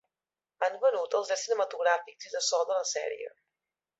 Han venut els drets cinematogràfics i de so de la sèrie.